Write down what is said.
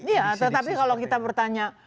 iya tetapi kalau kita bertanya